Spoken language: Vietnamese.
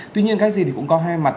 tuy nhiên cái gì thì cũng có hai mặt